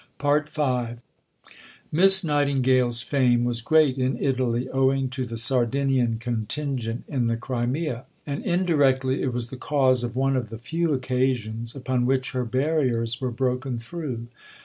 V Miss Nightingale's fame was great in Italy, owing to the Sardinian contingent in the Crimea, and indirectly it was the cause of one of the few occasions upon which her barriers were broken through.